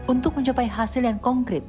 untuk mencapai hasil yang konkret